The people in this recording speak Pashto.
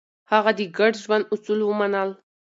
هغه د ګډ ژوند اصول ومنل.